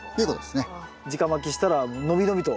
じかまきしたら伸び伸びと。